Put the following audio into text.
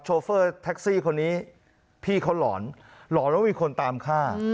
โฟเฟอร์แท็กซี่คนนี้พี่เขาหลอนหลอนว่ามีคนตามฆ่า